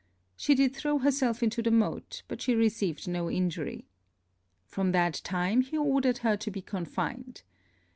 She did throw herself into the moat, but she received no injury. From that time, he ordered her to be confined.